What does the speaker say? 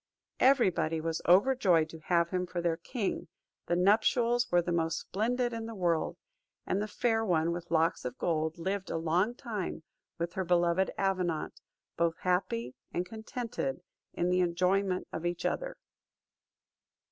Every body was overjoyed to have him for their king: the nuptials were the most splendid in the world; and the Fair One. with Locks of Gold lived a long time with her beloved Avenant, both happy and contented in the enjoyment of each other.